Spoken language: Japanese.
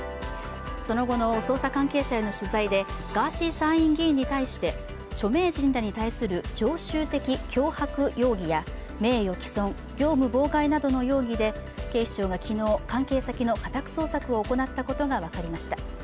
その後の捜査関係者への取材でガーシー参院議員に対して著名人らに対する常習的脅迫容疑や名誉毀損、業務妨害などの容疑で警視庁が昨日、関係先の家宅捜索を行ったことが分かりました。